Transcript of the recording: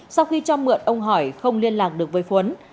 sau khi cho mượn ông hỏi không liên lạc được với khuấn